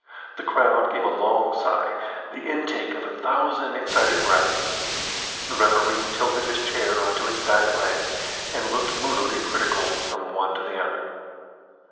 The crowd gave a long sigh the intake of a thousand excited breaths. The referee tilted his chair on to its back legs, and looked moodily critical from the one to the other.